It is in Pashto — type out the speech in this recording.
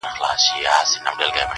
چي په ښكلي وه باغونه د انګورو-